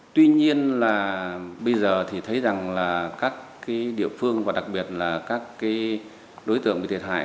tuy nhiên là bây giờ thì thấy rằng là các địa phương và đặc biệt là các đối tượng bị thiệt hại